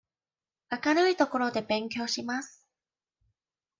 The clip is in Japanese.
明るい所で勉強します。